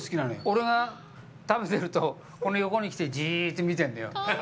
俺が食べてると横に来て、じーっと見てるのよ。